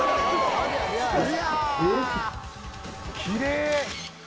きれい。